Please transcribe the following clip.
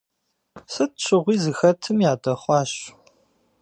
Сыт щыгъуи зыхэтым ядэхъуащ.